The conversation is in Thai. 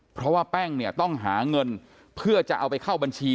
เพราะว่าแป้งเนี่ยต้องหาเงินเพื่อจะเอาไปเข้าบัญชี